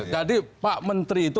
jadi pak menteri itu